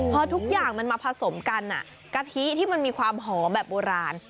พอทุกอย่างมันมาผสมกันกะทิที่มันมีความหอมแบบโบราณ